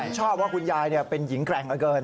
ชอบว่าคุณยายเป็นหญิงแกร่งเหลือเกิน